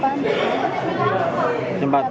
mbaknya sendiri gimana panik